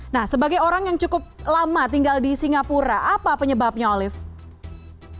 nah sebagai orang yang cukup lama tinggal di singapura apa penyebabnya olive